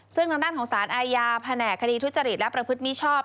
ซึ่งทางด้านของสารอาญาแผนกคดีทุจริตและประพฤติมิชชอบ